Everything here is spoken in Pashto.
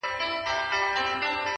• لوستونکي پرې فکر کوي ډېر..